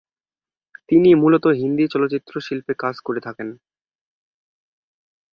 তিনি মূলত হিন্দি চলচ্চিত্র শিল্পে কাজ করে থাকেন।